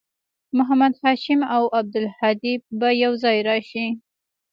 محمد هاشم او عبدالهادي به یوځای راشي